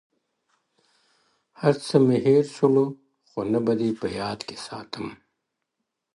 هرڅه مي هېر سوله خو نه به دي په ياد کي ســـاتم ـ